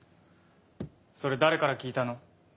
それ誰から聞いたの？